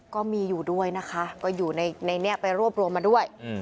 ก็มีอยู่ด้วยนะคะก็อยู่ในนี้ไปรวบรวมมาด้วย